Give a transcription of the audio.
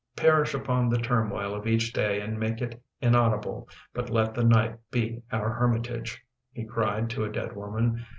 " Perish upon the turmoil of each day and make it inaudible, but let the night be our hermitage/' he cried to a dead woman.